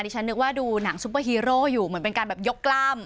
ฉันนึกว่าดูหนังซุปเปอร์ฮีโร่อยู่เหมือนเป็นการแบบยกกล้าม